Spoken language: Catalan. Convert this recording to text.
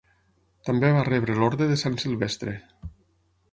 També va rebre l'Orde de Sant Silvestre.